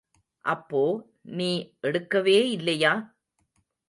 அப்போ, நீ எடுக்கவே இல்லையா?